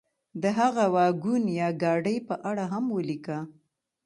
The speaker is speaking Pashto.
د هغه واګون یا ګاډۍ په اړه هم ولیکه.